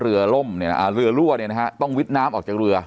เรือร่วมเรือรั่วต้องวิทย์น้ำออกจากเรือ